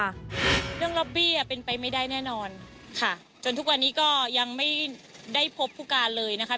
เรื่องล็อบบี้อ่ะเป็นไปไม่ได้แน่นอนค่ะจนทุกวันนี้ก็ยังไม่ได้พบผู้การเลยนะคะ